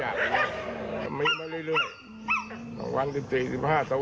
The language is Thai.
อาจจะเพิ่มขึ้นมันก็จะมันภาพเขาอาจจะมีมาเรื่อย